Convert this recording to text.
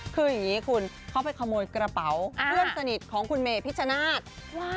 คืออย่างนี้คุณเขาไปขโมยกระเป๋าเพื่อนสนิทของคุณเมพิชชนาธิ์